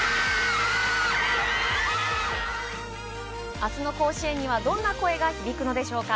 あすの甲子園にはどんな声が響くのでしょうか。